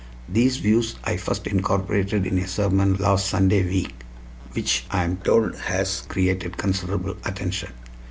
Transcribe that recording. These views I first incorporated in a sermon last Sunday week, which I am told has created considerable attention."